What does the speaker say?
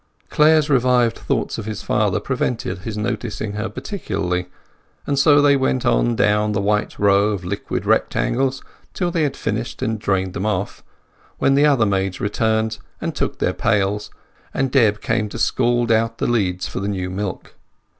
Clare's revived thoughts of his father prevented his noticing her particularly; and so they went on down the white row of liquid rectangles till they had finished and drained them off, when the other maids returned, and took their pails, and Deb came to scald out the leads for the new milk.